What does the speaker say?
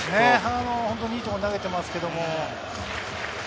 いいところに投げてますけど。